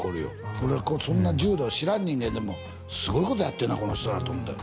俺はそんな柔道知らん人間でも「すごいことやってんなこの人ら」と思ったよ